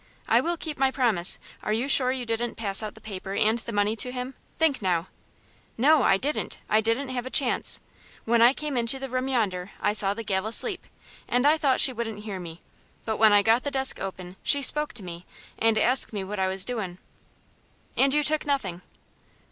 "I will keep my promise. Are you sure you didn't pass out the paper and the money to him? Think now." "No, I didn't. I didn't have a chance. When I came into the room yonder I saw the gal asleep, and I thought she wouldn't hear me, but when I got the desk open she spoke to me, and asked me what I was doin'." "And you took nothing?"